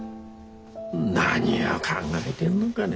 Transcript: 何を考えでんのがね。